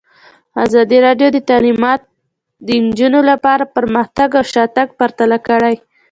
ازادي راډیو د تعلیمات د نجونو لپاره پرمختګ او شاتګ پرتله کړی.